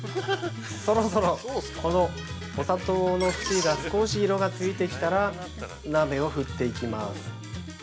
そろそろ、このお砂糖の端が少し色がついてきたら、鍋を振っていきまーす。